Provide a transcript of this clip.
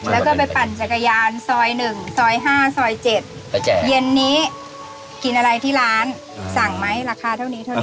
แล้วก็ไปปั่นจักรยานซอย๑ซอย๕ซอย๗เย็นนี้กินอะไรที่ร้านสั่งไหมราคาเท่านี้เท่าไ